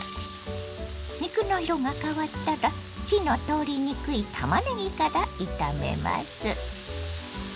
肉の色が変わったら火の通りにくいたまねぎから炒めます。